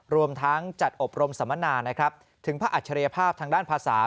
รวมทั้งจัดอบรมสัมมนานะครับถึงพระอัจฉริยภาพทางด้านภาษา